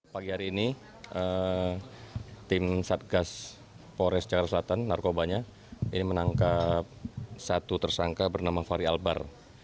pagi hari ini tim satgas pores jakarta selatan narkobanya ini menangkap satu tersangka bernama fahri albar